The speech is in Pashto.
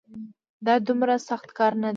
دا دومره سخت کار نه دی